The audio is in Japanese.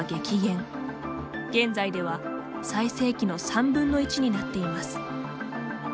現在では最盛期の３分の１になっています。